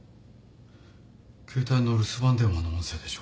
携帯の留守番電話の音声でしょうか？